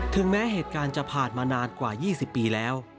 แม้เหตุการณ์จะผ่านมานานกว่า๒๐ปีแล้ว